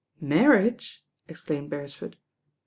''Marriage?" exclaimed Beresford.